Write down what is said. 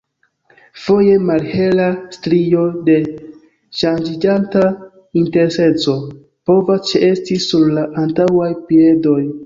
Foje, malhela strio de ŝanĝiĝanta intenseco povas ĉeesti sur la antaŭaj piedoj.